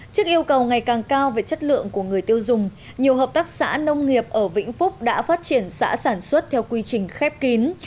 trước yêu cầu ngày càng cao về chất lượng của người tiêu dùng nhiều hợp tác xã nông nghiệp ở vĩnh phúc đã phát triển xã sản xuất theo quy trình khép kín